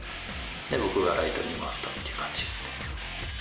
で、僕がライトに回ったって感じですね。